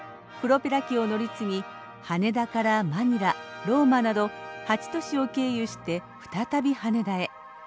プロペラ機を乗り継ぎ羽田からマニラローマなど８都市を経由して再び羽田へ。